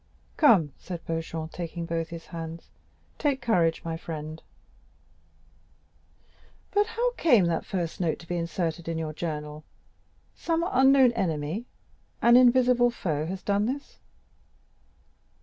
"Come," said Beauchamp, taking both his hands, "take courage, my friend." "But how came that first note to be inserted in your journal? Some unknown enemy—an invisible foe—has done this."